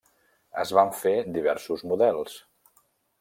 Es van fer diversos models: